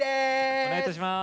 お願いいたします。